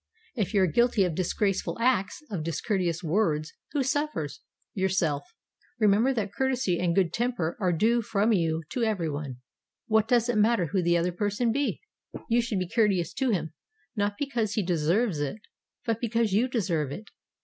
If you are guilty of disgraceful acts, of discourteous words, who suffers? Yourself. Remember that; remember that courtesy and good temper are due from you to everyone. What does it matter who the other person be? you should be courteous to him, not because he deserves it, but because you deserve it.